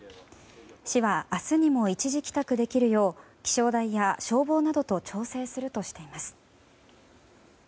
市は明日にも一時帰宅できるよう気象台や消防などと調整するとしています。